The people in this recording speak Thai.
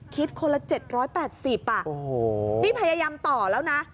คลิตคนละ๗๘๐อ่ะโอ้โหพี่พยายามต่อแล้วนะ